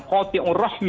memutuskan tali silaturahmi